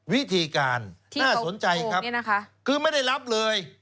วิธีการน่าสนใจครับคือไม่ได้รับเลย